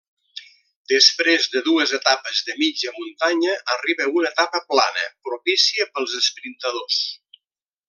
Després de dues etapes de mitja muntanya arriba una etapa plana, propícia pels esprintadors.